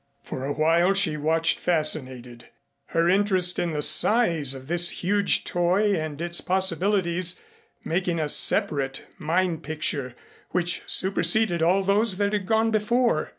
For a while she watched, fascinated, her interest in the size of this huge toy and its possibilities making a separate mind picture which superseded all those that had gone before.